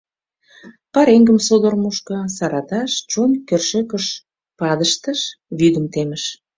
Пареҥгым содор мушко, сараташ, чойн кӧршӧкыш падыштыш, вӱдым темыш.